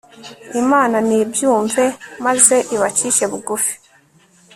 imana nibyumve, maze ibacishe bugufi